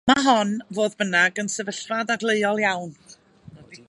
Mae hon, fodd bynnag, yn sefyllfa ddadleuol iawn.